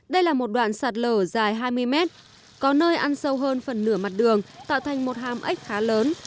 đây là một đoạn sạt lở dài hai mươi mét có nơi ăn sâu hơn phần nửa mặt đường tạo thành một hàm ếch khá lớn